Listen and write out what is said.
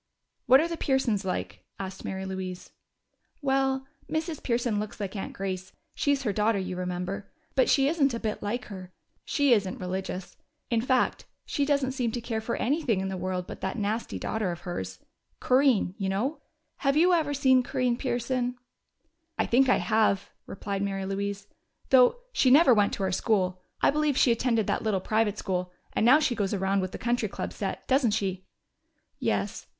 "What are the Pearsons like?" asked Mary Louise. "Well, Mrs. Pearson looks like Aunt Grace she's her daughter, you remember but she isn't a bit like her. She isn't religious; in fact, she doesn't seem to care for anything in the world but that nasty daughter of hers. Corinne, you know. Have you ever seen Corinne Pearson?" "I think I have," replied Mary Louise. "Though she never went to our school. I believe she attended that little private school, and now she goes around with the Country Club set, doesn't she?" "Yes.